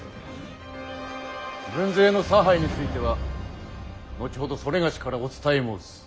軍勢の差配については後ほど某からお伝え申す。